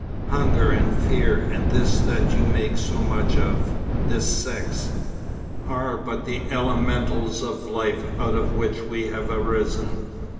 Hunger and fear and this that you make so much of, this sex, are but the elementals of life out of which we have arisen.